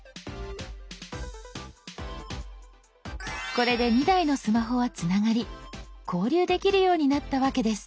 これで２台のスマホはつながり交流できるようになったわけです。